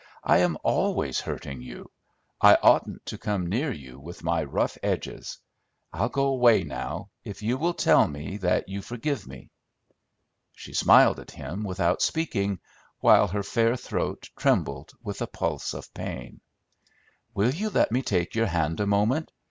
"I am always hurting you. I oughtn't to come near you with my rough edges! I'll go away now, if you will tell me that you forgive me!" She smiled at him without speaking, while her fair throat trembled with a pulse of pain. "Will you let me take your hand a moment?